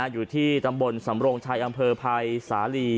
อยู่ที่ตำบลสำรงชัยอำเภอภัยสาลี